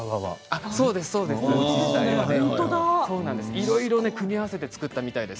いろいろ組み合わせて作ったそうです。